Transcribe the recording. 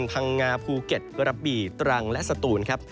พังงาภูเก็ตกระบี่ตรังและสตูนครับ